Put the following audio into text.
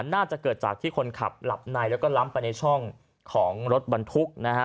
น่าจะเกิดจากที่คนขับหลับในแล้วก็ล้ำไปในช่องของรถบรรทุกนะฮะ